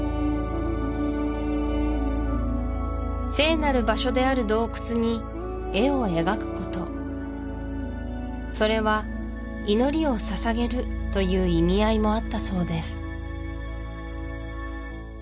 聖なる場所である洞窟に絵を描くことそれは祈りを捧げるという意味合いもあったそうです